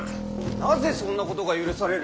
なぜそんなことが許される！